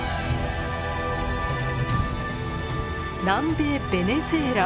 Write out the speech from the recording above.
南米ベネズエラ。